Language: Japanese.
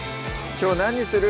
きょう何にする？